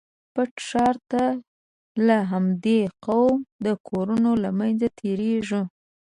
پټ ښار ته د همدې قوم د کورونو له منځه تېرېږو.